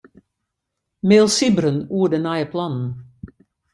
Mail Sybren oer de nije plannen.